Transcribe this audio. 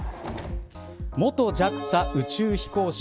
元ＪＡＸＡ宇宙飛行士